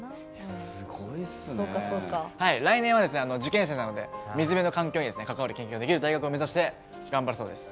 来年は受験生なので水辺の環境に関わる勉強ができる大学を目指して頑張るそうです。